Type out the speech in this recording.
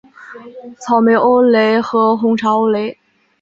草莓欧蕾和红茶欧蕾